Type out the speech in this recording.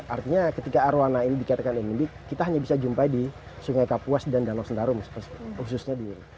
artinya ketika arowana ini dikatakan endemik kita hanya bisa jumpai di sungai kapuas dan danau sentarung